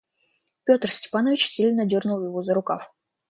Петр Степанович сильно дернул его за рукав.